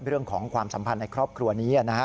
เรื่องของความสัมพันธ์ในครอบครัวนี้นะฮะ